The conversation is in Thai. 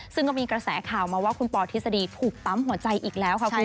ซึ่งก็มีกระแสข่าวมาว่าคุณปอทฤษฎีถูกปั๊มหัวใจอีกแล้วค่ะคุณ